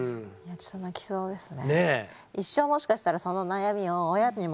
ちょっと泣きそうですね。